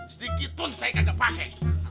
sedikit ton saya kagak pakai